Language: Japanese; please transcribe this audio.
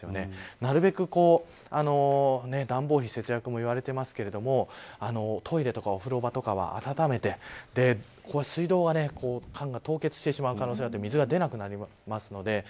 なるべく暖房費節約と言われてますけれどもトイレとか、お風呂場とかは暖めて水道管が凍結してしまう可能性があって水が出なくなりますので。